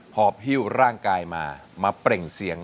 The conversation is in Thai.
พอหิ้วร่างกายมามาเปล่งเสียง